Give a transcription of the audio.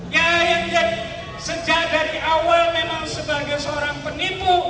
ya yang sejak dari awal memang sebagai seorang penipu